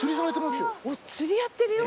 釣りやってるよ。